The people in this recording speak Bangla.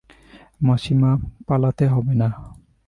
মাসিমা, পালাতে হবে না ।